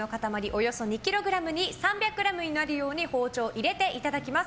およそ２ｋｇに３００ｇになるように包丁を入れていただきます。